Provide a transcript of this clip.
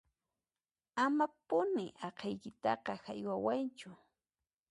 Amapuni aqhaykitaqa haywawaychu